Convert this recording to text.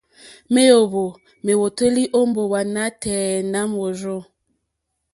Ŋwéyò mówǒtélì ó mbówà nǎtɛ̀ɛ̀ nà môrzô.